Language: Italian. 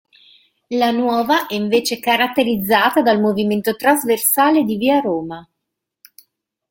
La nuova è invece caratterizzata dal movimento trasversale di via Roma.